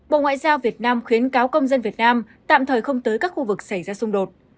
bộ ngoại giao việt nam khuyến cáo công dân việt nam tạm thời không tới các khu vực xảy ra xung đột